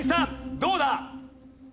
どうだ？